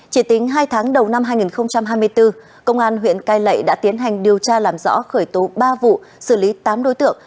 chỉ tính hai tháng đầu năm hai nghìn hai mươi bốn công an huyện cai lệ đã tiến hành điều tra làm rõ khởi tố ba vụ xử lý tám đối tượng